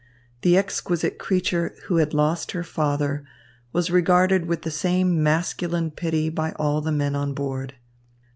The exquisite creature, who had lost her father, was regarded with the same masculine pity by all the men on board.